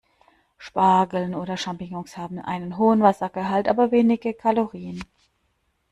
Spargel oder Champignons haben einen hohen Wassergehalt, aber wenige Kalorien.